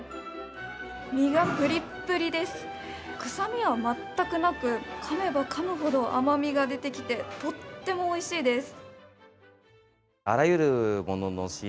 身がプリップリです、臭みは全くなく、かめばかむほど甘みが出てきてとってもおいしいです。